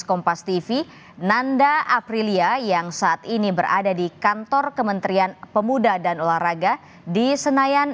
kompas tv nanda aprilia yang saat ini berada di kantor kementerian pemuda dan olahraga di senayan